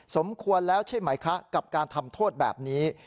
สมควรแล้วใช่ไหมคะกับการทำโทษแบบนี้